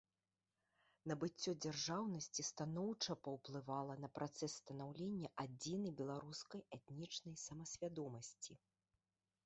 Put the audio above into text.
Набыццё дзяржаўнасці станоўча паўплывала на працэс станаўлення адзінай беларускай этнічнай самасвядомасці.